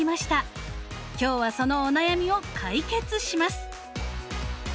今日はそのお悩みを解決します。